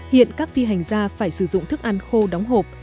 hiện các phi hành gia phải sử dụng thức ăn khô đóng hộp